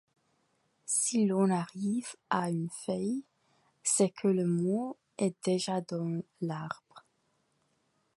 Si l'on arrive à une feuille, c'est que le mot est déjà dans l'arbre.